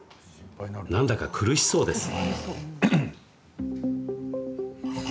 なんだか苦しそうです。